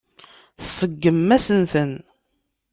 Tseggmem-asen-ten.